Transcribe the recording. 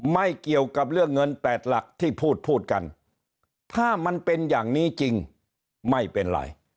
ไม่เกี่ยวกับเรื่องเงิน๘หลักที่พูดพูดกันถ้ามันเป็นอย่างนี้จริงไม่เป็นไร